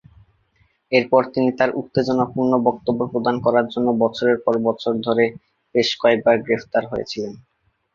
এরপর তিনি তার উত্তেজনাপূর্ণ বক্তব্য প্রদান করার জন্য বছরের পর বছর ধরে বেশ কয়েকবার গ্রেফতার হয়েছিলেন।